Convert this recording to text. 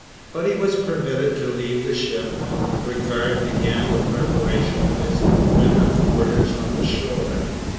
But he was permitted to leave the ship, and Bridgar began the preparation of his winter quarters on the shore.